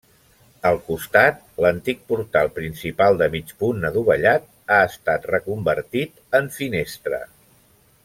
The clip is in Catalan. Al costat, l'antic portal principal de mig punt adovellat ha estat reconvertit en finestra.